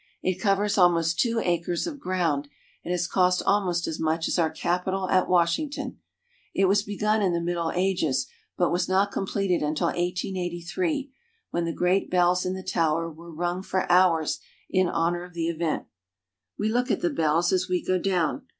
It covers almost two acres of ground, and has cost almost as much as our Capitol at Washington. It was begun in the Middle Ages, but was not completed until 1883, when the great bells in the towers were rung for hours in honor of the event. We look at the bells as we go down.